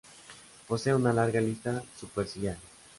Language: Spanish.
Posee una larga lista superciliar.